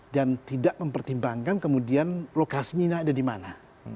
dan tidak mempertimbangkan kemudian lokasinya ada di mana